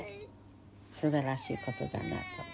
すばらしいことだなと。